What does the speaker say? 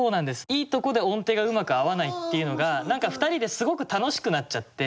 いいとこで音程がうまく合わないっていうのが何か２人ですごく楽しくなっちゃって。